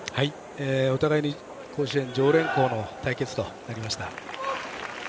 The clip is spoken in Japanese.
お互いに甲子園常連校の対決となりました。